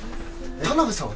田辺さん